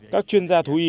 các chuyên gia thú y